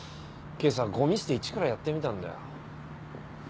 今朝ごみ捨て一からやってみたんだよ。